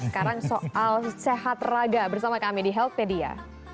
sekarang soal sehat raga bersama kami di healthpedia